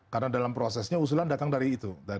karena dalam prosesnya usulan datang dari itu